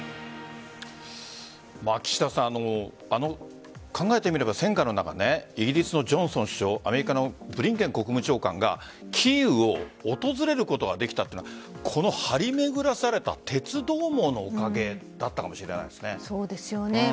岸田さん考えてみれば、戦火の中イギリスのジョンソン首相アメリカのブリンケン国務長官がキーウを訪れることができたというのは張り巡らされた鉄道網のおかげだったかもそうですよね。